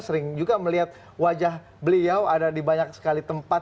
sering juga melihat wajah beliau ada di banyak sekali tempat